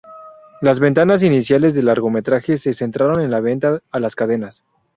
Las ventas iniciales de largometrajes se centraron en la venta a las cadenas.